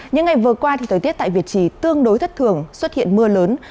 những ngày vừa qua thời tiết tại việt trì tương đối thất thường xuất hiện mưa lớn